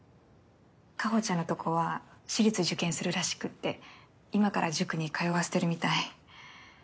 カホちゃんのとこは私立受験するらしくって今から塾に通わせてるみたい。